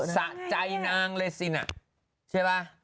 สะใจนางเลยสินะใช่ไหม